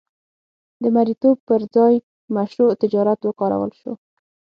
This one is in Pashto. د مریتوب پر ځای مشروع تجارت وکارول شو.